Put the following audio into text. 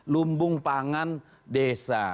lumbung pangan desa